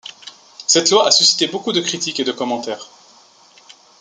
Cette loi à susciter beaucoup de critiques et de commentaires.